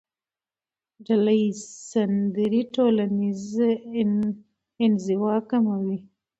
ډلهییزې سندرې ټولنیزه انزوا کموي.